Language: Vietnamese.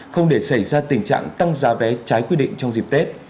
không để xảy ra tình trạng tăng giá vé trái quy định trong dịp tết